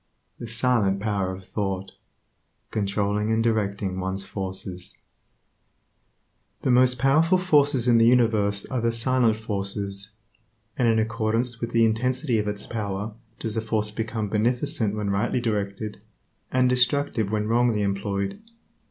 The silent power of thought: controlling and directing one's forces The most powerful forces in the universe are the silent forces; and in accordance with the intensity of its power does a force become beneficent when rightly directed, and destructive when wrongly employed.